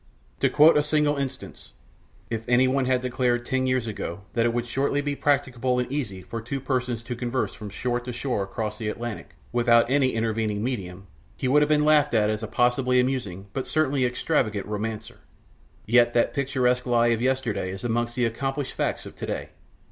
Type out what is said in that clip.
To quote a single instance: If any one had declared ten years ago that it would shortly be practicable and easy for two persons to converse from shore to shore across the Atlantic without any intervening medium, he would have been laughed at as a possibly amusing but certainly extravagant romancer. Yet that picturesque lie of yesterday is amongst the accomplished facts of today!